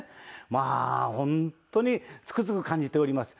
まあ本当につくづく感じております。